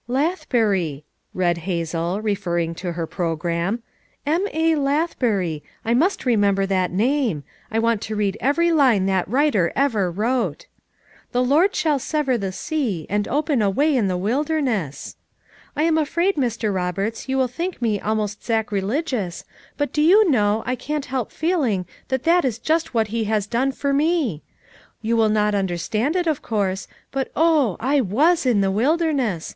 "Lathbury" read Hazel, referring to her program. "M. A. Lathbury, I must remember that name ; I want to read every line that writer ever wrote. " 'The Lord shall sever the sea, And open a way in the wilderness !' "I am afraid, Mr. Roberts, you will think me almost sacrilegious, but do you know, I can't help feeling that that is just what he has done for me? You will not understand it, of course, but oh— I was in the wilderness!